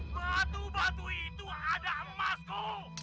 waktu itu ada emasku